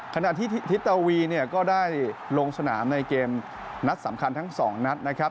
ขณะที่ทิศตวีเนี่ยก็ได้ลงสนามในเกมนัดสำคัญทั้งสองนัดนะครับ